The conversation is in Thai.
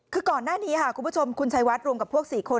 คือก่อนหน้านี้ค่ะคุณผู้ชมคุณชัยวัดรวมกับพวก๔คน